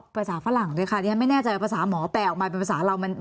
ภาษาฝรั่งด้วยค่ะดิฉันไม่แน่ใจว่าภาษาหมอแต่ออกมาเป็นภาษาเรา